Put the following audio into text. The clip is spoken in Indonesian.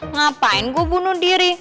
ngapain gue bunuh diri